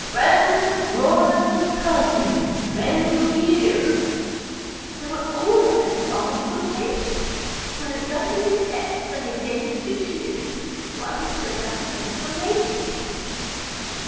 "Friends, Romans, and countrymen, lend me your ears!" Â Â Â Â (They were all of them fond of quotations: So they drank to his health, and they gave him three cheers, Â Â Â Â While he served out additional rations).